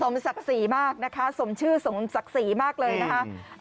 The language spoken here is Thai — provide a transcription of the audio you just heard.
สมศักดิ์ศรีมากนะคะสมชื่อสมศักดิ์ศรีมากเลยนะคะ